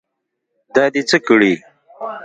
دا دې څه کړي.